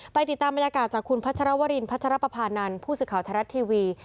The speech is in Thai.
ไปติดตามบรรยากาศจากคุณพระชรวรีชพระชรปพานันท์ผู้ศึกเขาทรัฐทีวี